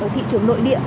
ở thị trường nội địa